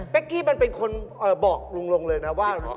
กี้มันเป็นคนบอกลุงลงเลยนะว่า